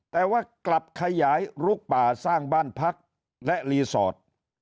แต่ว่ากลับขยายลุกป่าสร้างบ้านพักและรีสอร์ท